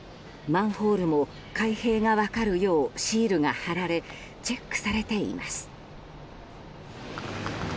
マンホールも開閉が分かるようシールが貼られチェックされています。